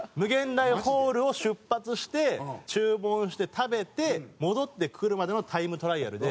∞ホールを出発して注文して食べて戻ってくるまでのタイムトライアルで。